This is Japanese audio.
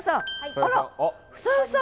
あら房代さん。